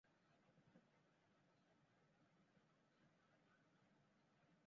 এ মন্ডলে অবস্থিত রয়েছে তিমুর-মেন্টাউই পাললিক দ্বীপের দক্ষিণ-পূর্বের বর্ধিতাংশ।